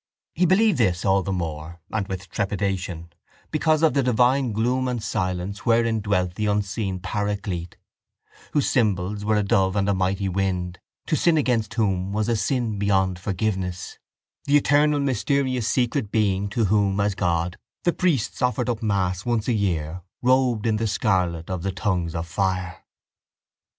He believed this all the more, and with trepidation, because of the divine gloom and silence wherein dwelt the unseen Paraclete, Whose symbols were a dove and a mighty wind, to sin against Whom was a sin beyond forgiveness, the eternal mysterious secret Being to Whom, as God, the priests offered up mass once a year, robed in the scarlet of the tongues of fire.